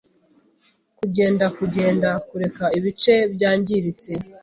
kugendakugenda Kureka ibice byangiritse